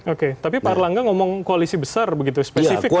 oke tapi pak erlangga ngomong koalisi besar begitu spesifik